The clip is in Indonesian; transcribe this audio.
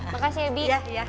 makasih ya bi